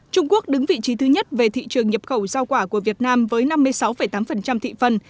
trung quốc đứng vị trí thứ nhất về thị trường nhập khẩu giao quả của việt nam với năm mươi sáu tám thị phần